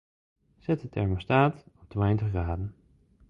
Set de termostaat op tweintich graden.